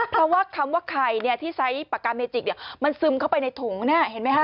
เพราะว่าคำว่าไข่เนี่ยที่ใส่ปากกาเมจิกเนี่ยมันซึมเข้าไปในถุงเนี่ยเห็นไหมฮะ